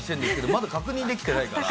まだ確認できてないから。